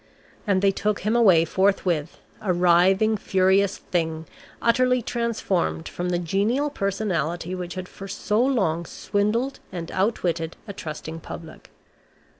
And they took him away forthwith, a writhing, furious Thing, utterly transformed from the genial personality which had for so long swindled and outwitted a trusting public.